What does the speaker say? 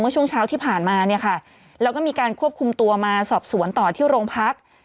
ช่วงเช้าที่ผ่านมาเนี่ยค่ะแล้วก็มีการควบคุมตัวมาสอบสวนต่อที่โรงพัก